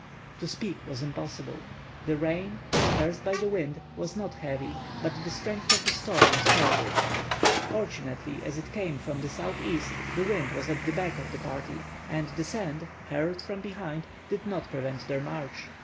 To speak was impossible. The rain, dispersed by the wind, was not heavy, but the strength of the storm was terrible. Fortunately, as it came from the southeast, the wind was at the back of the party, and the sand, hurled from behind, did not prevent their march.